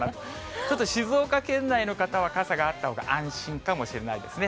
ちょっと静岡県内の方は傘があったほうが安心かもしれないですね。